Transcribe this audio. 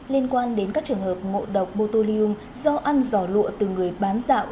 liên quan đến các trường hợp ngộ độc botolium do ăn giò lụa từ người bán rạo